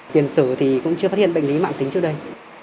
tiền sử thì cũng chưa phát hiện bệnh lý mạng tính trước đây